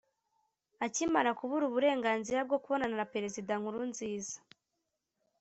Akimara kubura uburenganzira bwo kubonana na Perezida Nkurunziza